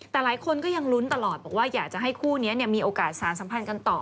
แต่หลายคนก็ยังลุ้นตลอดบอกว่าอยากจะให้คู่นี้มีโอกาสสารสัมพันธ์กันต่อ